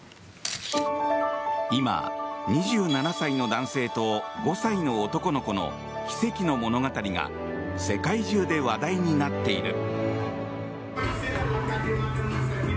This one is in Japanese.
今、２７歳の男性と５歳の男の子の奇跡の物語が世界中で話題になっている。